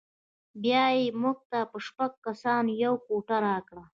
بیا یې موږ ته په شپږو کسانو یوه کوټه راکړه.